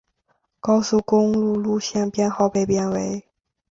高速公路路线编号被编为。